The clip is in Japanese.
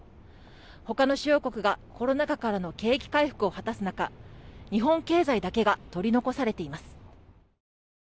ほかの主要国がコロナ禍からの景気回復を果たす中日本経済だけが取り残されています。